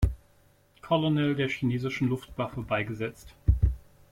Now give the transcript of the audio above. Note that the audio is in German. Colonel der chinesischen Luftwaffe beigesetzt.